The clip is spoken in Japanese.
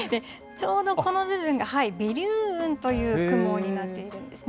ちょうどこの部分が尾流雲という雲になっているんですね。